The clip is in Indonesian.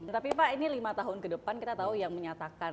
tapi pak ini lima tahun ke depan kita tahu yang menyatakan